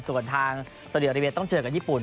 ส่วนทางสะดวกระเบียต้องเจอกับญี่ปุ่น